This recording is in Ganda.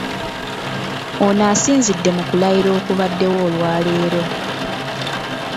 Ono asinzidde mu kulayira okubaddewo olwaleero.